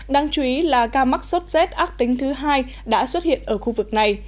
đáng chú ý là ca mắc sốt rét ác tính thứ hai đã xuất hiện ở khu vực này